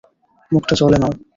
মুখটা জলে নাও।